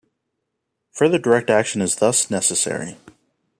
Further direct action is thus necessary.